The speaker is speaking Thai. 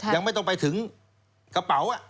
ยังไม่ต้องไปถึงกระเป๋า